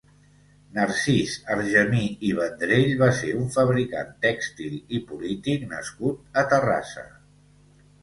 Narcís Argemí i Vendrell va ser un fabricant tèxtil i polític nascut a Terrassa.